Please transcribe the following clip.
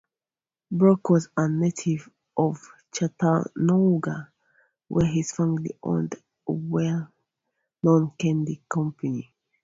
Brock was a native of Chattanooga, where his family owned a well-known candy company.